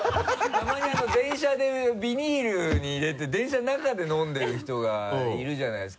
たまに電車でビニールに入れて電車の中で飲んでる人がいるじゃないですか。